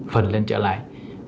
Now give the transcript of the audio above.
phần lên trở lại